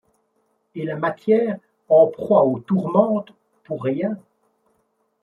Et la matière en proie aux tourmentes-pour rien ?